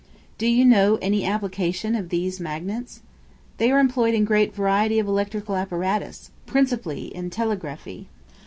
Do you know any application of those magnets? They are employed in a great variety of electrical apparatus, principally in telegraphy.